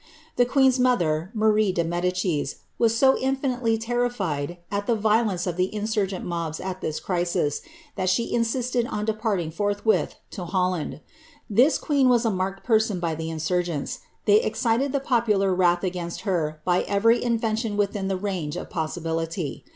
The queen^s trie de Medicis, was so infinitely terrified at the*violence of nt mobs at this crisis, that she insisted on departing forth lland. This queen was a marked person by the insurgents ; id the popular wrath against her by every invention within •f possibility.